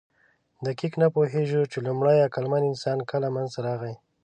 دقیق نه پوهېږو، چې لومړی عقلمن انسان کله منځ ته راغی.